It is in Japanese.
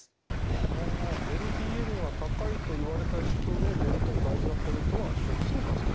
はあＬＤＬが高いと言われた人の最も大事なポイントは食生活の改善。